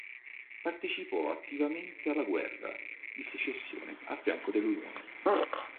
Partecipò attivamente alla guerra di secessione a fianco dell'Unione.